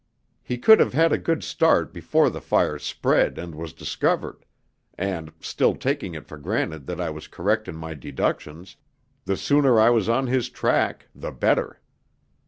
He could have had a good start before the fire spread and was discovered, and still taking it for granted that I was correct in my deductions the sooner I was on his track the better.